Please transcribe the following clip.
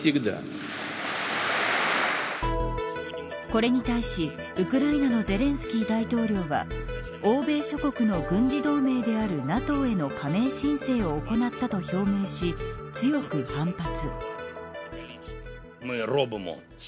これに対しウクライナのゼレンスキー大統領は欧米諸国の軍事同盟であるＮＡＴＯへの加盟申請を行ったと表明し強く反発。